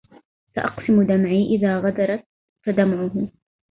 سأقسم دمعي إذ غدرت فدمعة